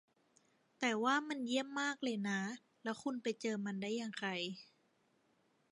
แต่ว่ามันเยี่ยมมากเลยนะ แล้วคุณไปเจอมันได้อย่างไร